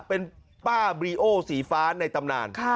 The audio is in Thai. เป็นป้าบรีโอสีฟ้าในตำนาน